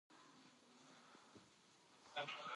دې کابل په واټونو کې ښایسته لیکبڼي یا لوحی ولګیدي.